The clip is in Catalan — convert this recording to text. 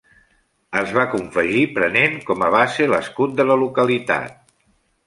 Es va confegir prenent com a base l'escut de la localitat.